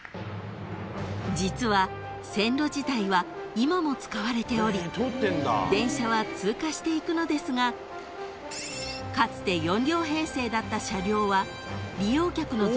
［実は線路自体は今も使われており電車は通過していくのですがかつて４両編成だった車両は］